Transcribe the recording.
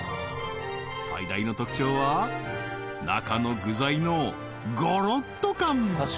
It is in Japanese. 最大の特徴は中の具材のゴロっと感